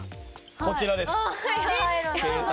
こちらです。